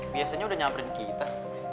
biasanya udah nyamperin kita